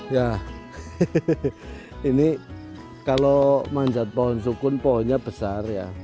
ya ini kalau manjat pohon sukun pohonnya besar ya